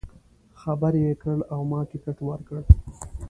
خبر یې کړ او ما ټکټ ورکړ.